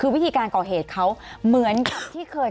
คือวิธีการก่อเหตุเขาเหมือนกับที่เคย